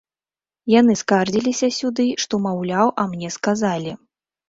Яны скардзіліся сюды, што, маўляў, а мне сказалі.